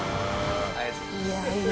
いやいや。